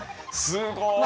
すごい。